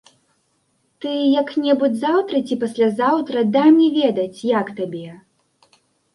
Ты як-небудзь заўтра ці паслязаўтра дай мне ведаць, як табе.